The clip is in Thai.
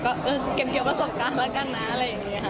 ก็เก็บเกี่ยวประสบการณ์แล้วกันนะอะไรอย่างนี้ค่ะ